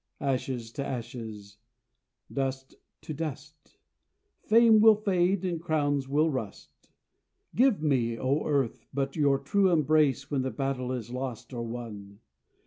Ashes to ashes, dust to dust, Fame will fade and crowns will rust. Give me, O Earth, but your true embrace, When the battle is lost or won.